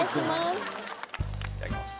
いただきます。